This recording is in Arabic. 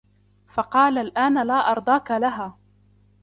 فَقَالَ الْآنَ لَا أَرْضَاك لَهَا